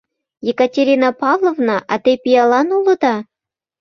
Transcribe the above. — Екатерина Павловна, а те пиалан улыда?